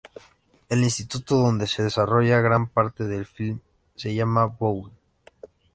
El instituto donde se desarrolla gran parte del film se llama Bowie.